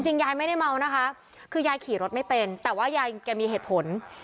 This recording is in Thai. ยายไม่ได้เมานะคะคือยายขี่รถไม่เป็นแต่ว่ายายแกมีเหตุผล